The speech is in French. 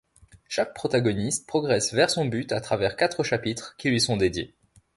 Chaque protagoniste progresse vers son but à travers quatre chapitres qui lui sont dédiés.